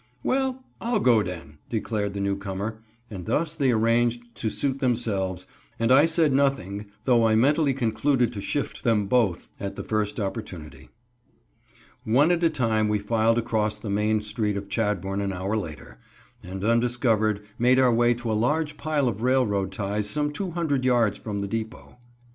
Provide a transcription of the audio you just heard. "Well, I'll go den," declared the newcomer, and thus they arranged it to suit themselves, and I said nothing, though I mentally concluded to shift them both at the first opportunity. One at a time we filed across the main street of Chadbourn an hour later, and, undiscovered, made our way to a large pile of railroad ties some two hundred yards from the depot.